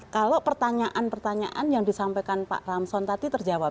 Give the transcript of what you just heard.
kalau pertanyaan pertanyaan yang disampaikan pak ramson tadi terjawab